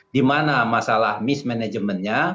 di mana masalah mismanagementnya